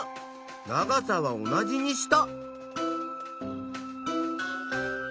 長さは同じにした。